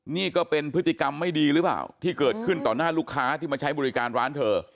นี่ก็เป็นพฤติกรรมไม่ดีหรือเปล่าที่เกิดขึ้นต่อหน้าลูกค้าที่มาใช้บริการร้านเธอ